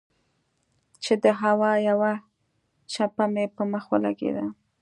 چې د هوا يوه چپه مې پۀ مخ ولګېده